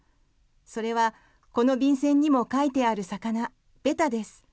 それはこの便せんにも描いてある魚ベタです。